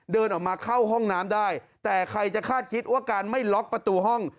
เดินออกมาเข้าห้องน้ำได้แต่ใครจะคาดคิดว่าการไม่ล็อกประตูห้อง